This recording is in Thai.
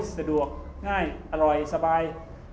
สะดวกง่ายอร่อยสบาย